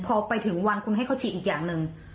พอไปถึงวันคุณให้เขาฉีดอีกอย่างหนึ่ง